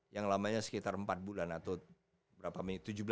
yang lamanya sekitar empat bulan atau berapa menit